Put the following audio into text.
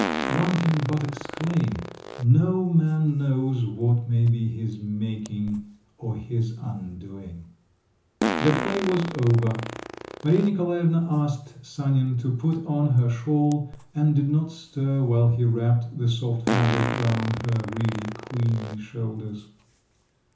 One can but exclaim, No man knows what may be his making or his undoing! The play was over. Maria Nikolaevna asked Sanin to put on her shawl and did not stir, while he wrapped the soft fabric round her really queenly shoulders.